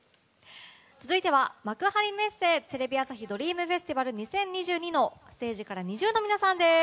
続いては幕張メッセ「テレビ朝日ドリームフェスティバル２０２２」のステージからＮｉｚｉＵの皆さんです。